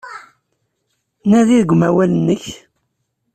Nadi deg umawal-nnek.